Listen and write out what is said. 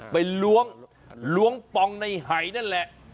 ล้วงล้วงปองในหายนั่นแหละ